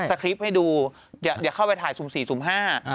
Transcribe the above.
คริปต์ให้ดูอย่าเข้าไปถ่ายสุ่มสี่สุ่มห้า